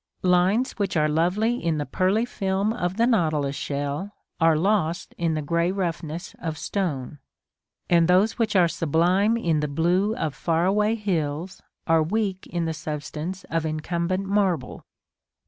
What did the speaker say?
Lines which are lovely in the pearly film of the Nautilus shell, are lost in the grey roughness of stone; and those which are sublime in the blue of far away hills, are weak in the substance of incumbent marble.